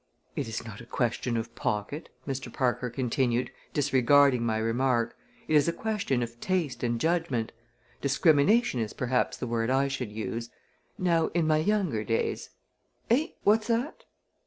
"It is not a question of pocket," Mr. Parker continued, disregarding my remark, "it is a question of taste and judgment; discrimination is perhaps the word I should use. Now in my younger days Eh? What's that?"